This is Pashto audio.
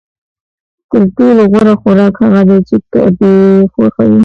تر ټولو غوره خوراک هغه دی چې کب یې خوښوي